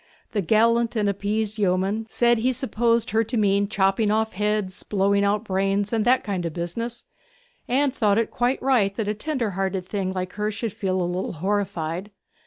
The gallant and appeased yeoman said he supposed her to mean chopping off heads, blowing out brains, and that kind of business, and thought it quite right that a tender hearted thing like her should feel a little horrified.